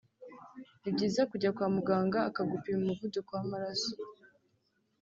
ni byiza kujya kwa muganga akagupima umuvuduko w’amaraso